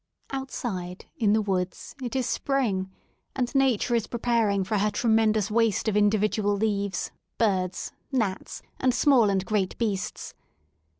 ... f i, Outside in the woods it is spring, and Nature is pre paring for her tremendous waste of individual leaves, birds, gnats, and small and great beasts.